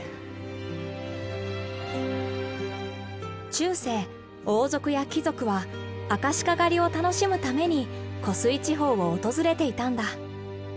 中世王族や貴族はアカシカ狩りを楽しむために湖水地方を訪れていたんだ。